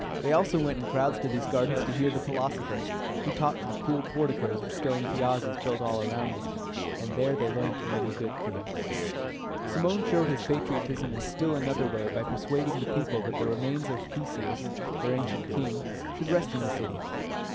They also went in crowds to these gardens to hear the philosophers, who taught in the cool porticoes or stone piazzas built all around them, and there they learned many good things. Cimon showed his patriotism in still another way by persuading the people that the remains of Theseus, their ancient king, should rest in the city.